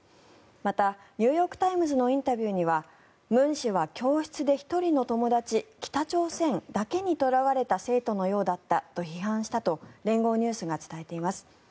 また、ニューヨーク・タイムズのインタビューには文氏は教室で１人の友達北朝鮮だけにとらわれた生徒のようだったと批判したと連合ニュースが伝えています。